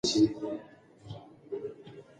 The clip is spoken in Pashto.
هغه ژمنه کړې وه چې نن به خپلو ملګرو ته ورسېږي.